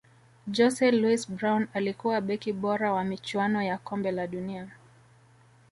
jose luis brown alikuwa beki bora wa michuano ya kombe la dunia